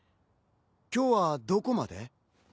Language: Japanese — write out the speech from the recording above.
今日はどこまで？